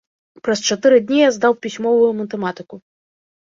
Праз чатыры дні я здаў пісьмовую матэматыку.